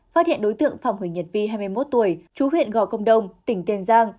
phát hiện đối tượng phạm huỳnh nhật vi hai mươi một tuổi chú huyện gò công đông tỉnh tiền giang